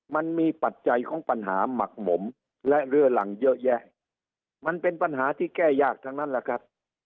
ปัจจัยของปัญหาหมักหมมและเรือหลังเยอะแยะมันเป็นปัญหาที่แก้ยากทั้งนั้นแหละครับ